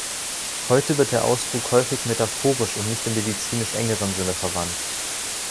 Heute wird der Ausdruck häufig metaphorisch und nicht im medizinisch engeren Sinne verwandt.